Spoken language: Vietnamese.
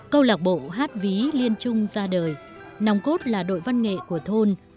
câu lạc bộ hát ví liên trung ra đời nòng cốt là đội văn nghệ của thôn